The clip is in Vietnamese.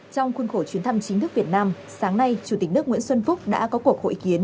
trong khuôn khổ chuyến thăm chính thức việt nam sáng nay chủ tịch nước nguyễn xuân phúc đã có cuộc hội kiến